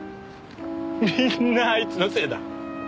みんなあいつのせいだ。